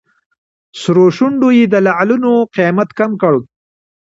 سرو شونډو یې د لعلونو قیمت کم کړ.